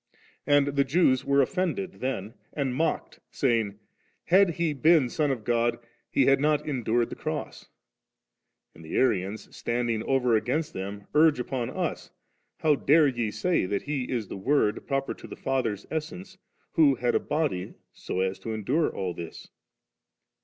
And the Jews were offended then and mocked, saying, * Had He been Son of God, He had not endured the Cross ;* and the Ajians standing over against them, urge upon us, * How dare ye say that He is the Word proper to the Father's Es sence, who had a body, so as to endure all this